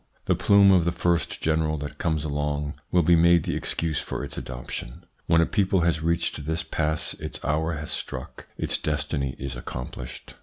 The plume of the first general that comes along will be made the excuse for its adoption. When a people has reached this pass its hour has struck, its destiny is accomplished.